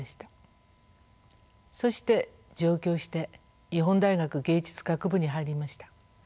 そして上京して日本大学藝術学部に入りました。